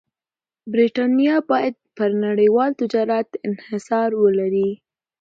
برېټانیا باید پر نړیوال تجارت انحصار ولري.